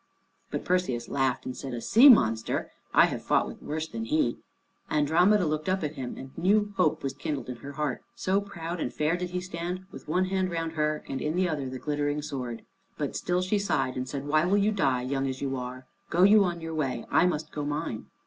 But Perseus laughed and said, "A sea monster! I have fought with worse than he." Andromeda looked up at him, and new hope was kindled in her heart, so proud and fair did he stand, with one hand round her, and in the other the glittering sword. But still she sighed and said, "Why will you die, young as you are? Go you your way, I must go mine."